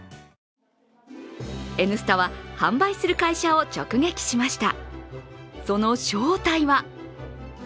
「Ｎスタ」は販売する会社を直撃しました。